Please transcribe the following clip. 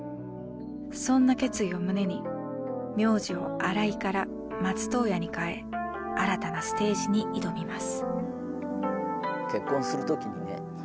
そんな決意を胸に名字を「荒井」から「松任谷」に変え新たなステージに挑みます。